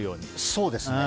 そうですね。